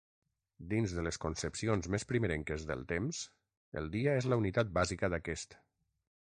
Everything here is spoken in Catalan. Dins de les concepcions més primerenques del temps el dia és la unitat bàsica d'aquest.